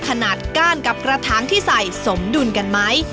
ก้านกับกระถางที่ใส่สมดุลกันไหม